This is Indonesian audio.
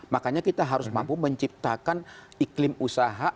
makanya kita harus mampu menciptakan iklim usaha